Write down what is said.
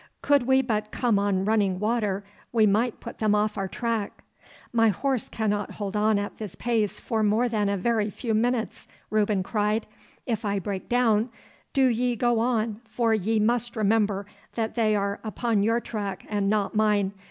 Could we but come on running water we might put them off our track.' 'My horse cannot hold on at this pace for more than a very few minutes,' Reuben cried. 'If I break down, do ye go on, for ye must remember that they are upon your track and not mine.